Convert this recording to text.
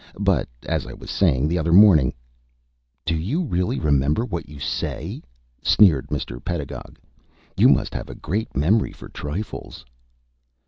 But, as I was saying the other morning " "Do you really remember what you say?" sneered Mr. Pedagog. "You must have a great memory for trifles."